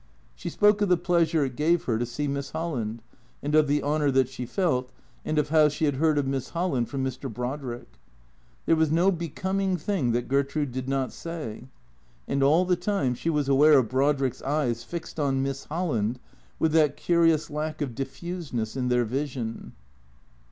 She spoke of the pleasure it gave her to see Miss Holland, and of the honour that she felt, and of how she had heard of Miss Holland from Mr. Brodrick. There was no becoming thing that Ger trude did not say. And all the time she was aware of Brod rick's eyes fixed on Miss Holland with chat curious lack of dif fuseness in their vision.